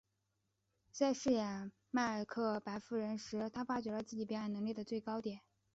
在饰演麦克白夫人时她发觉了自己表演能力的最高点。